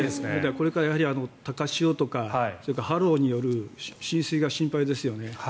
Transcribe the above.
これから高潮とかそれから波浪による浸水が心配ですよね。